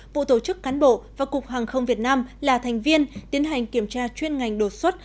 bộ tổ chức cán bộ và cục hàng không việt nam là thành viên tiến hành kiểm tra chuyên ngành đột xuất